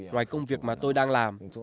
ngoài công việc mà tôi đang làm